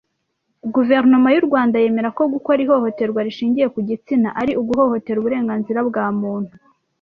Guverinoma y u Rwanda yemera ko gukora ihohoterwa rishingiye ku gitsina ari uguhohotera uburenganzira bwa muntu